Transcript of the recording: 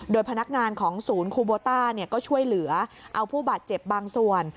โดยพนักงานของศูนย์คูโบต้าก็ช่วยเหลือเอาผู้บาดเจ็บบางส่วน